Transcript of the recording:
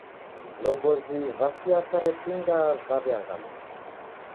Vilongozi va siasa repinga vaw'iaghaluka.